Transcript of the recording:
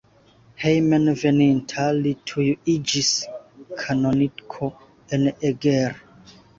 Hejmenveninta li tuj iĝis kanoniko en Eger.